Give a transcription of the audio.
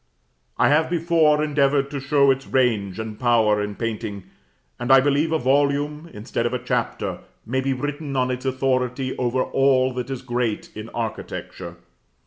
I have before endeavored to show its range and power in painting; and I believe a volume, instead of a chapter, might be written on its authority over all that is great in architecture.